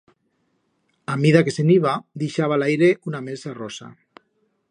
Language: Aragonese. A mida que se'n iba, dixaba a l'aire una melsa rosa.